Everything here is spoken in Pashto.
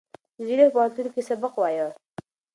نجلۍ په پوهنتون کې سبق وایه.